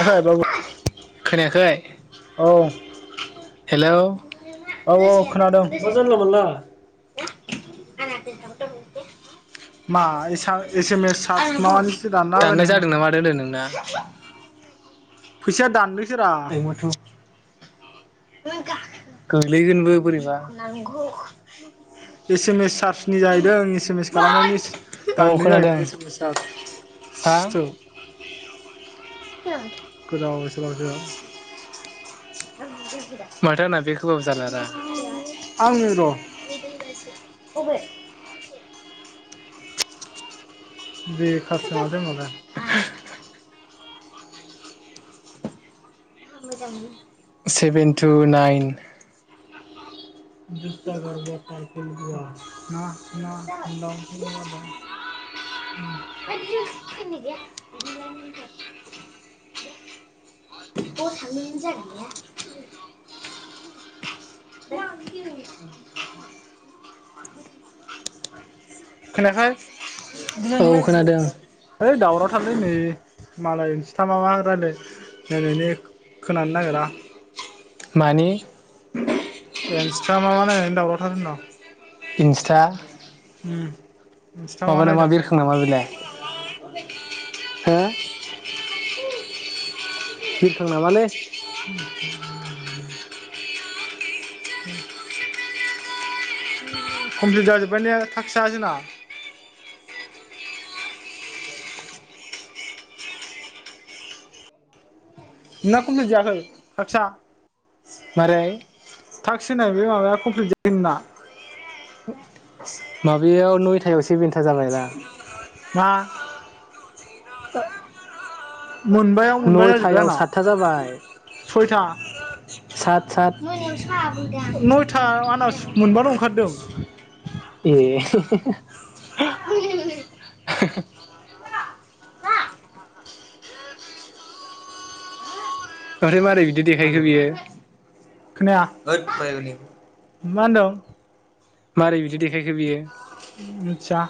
आखै बाबु खोनायाखै औ हेलौ औ औ खोनादों मा जानला मोनला आ मा एसा एस एम एस चार्ज दथ हे माबानिसो दानलाबायनो दाननाय होन जादोंना मादोंनो नोंना फैसााया दाननोस मथ' गोगलैगोनबो बोरैबा एसे मेस सात सुनि जाहैदों एस एम एस खालामनायनि औ दानदों जाहैदों खोनादों [unintelligible] ओं गोदाव सोराव सो माथो आंना बेख होबाबो जालारा आंनो र' [inaudible] अबे बेखारसो मादो होमबालाय। सेभेन टु नाइन [unintelligible] [unintelligible] [unintelligible] [unintelligible] [unintelligible] खोनायाखै? औ खोनादों [unintelligible] ओइ दावराव थारलै नै मालाय इसथा माबा रायलाय लायनायनि खोनानो नागिरा मानि एन्सथा मा मा नायनानै दावरावथार‌ होनदां। इन्स्टा उम इन्सटामा माबा नामा नायदोंमोन बिरखां नामा बेलाय? हो बिरखां नामालै? [unintelligible] कमप्लिट जाजोबबाय लै थास्क आ जोंना। नोंंना‌ कमफ्लित जायाखै टास्ट आ? मारै? टास्क होननाय बे माबाया कमप्लिट जायाखै नोंना? माबायाव नयथायाव सेबेन्था जाबायरा मा? ओ मोनबायाव मोनबा जाजोब्बाय नयथायाव आंना सातथा जाबाय सयथा सात सात नयथा आंना मोनबाल' ओंखारदों ए [unintelligible] आरो मारै बिद दि देखायखो बियो खोनाया मा होनदों? मारै बिदि देखायखो बियो? मोथिया।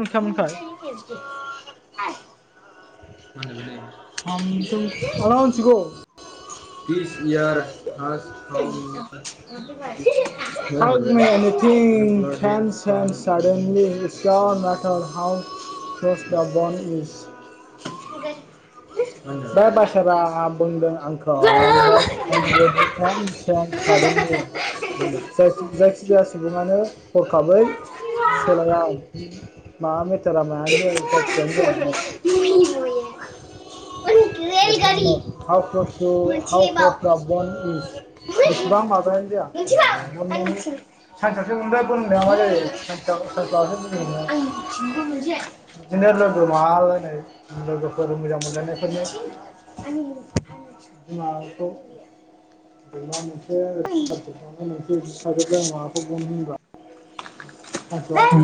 नंखायामोनखाय [unintelligible] [unintelligible] [unintelligible] [unintelligible] [unintelligible] [unintelligible] [unintelligible] [unintelligible] [unintelligible] [unintelligible] [unintelligible] [unintelligible] [unintelligible] बिमाखौ [inaudible] [unintelligible] सानसेआवसो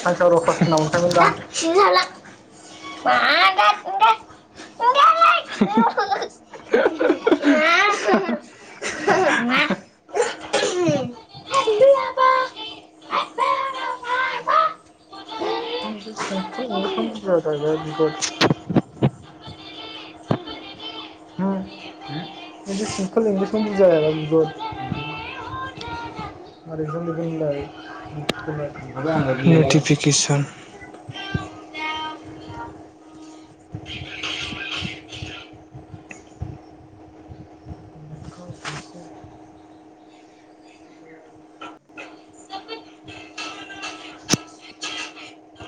सानसेआव र' क्लास टेनाव मोनखायमोनदां [unintelligible] [unintelligible] [unintelligible] [unintelligible] [unintelligible] आंबो मिलायलाय नटिफिकेसन [unintelligible]